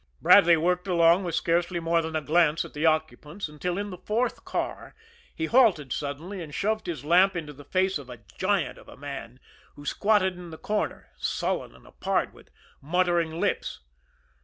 Bradley worked along with scarcely more than a glance at the occupants, until, in the fourth car, he halted suddenly and shoved his lamp into the face of a giant of a man, who squatted in the corner, sullen and apart, with muttering lips.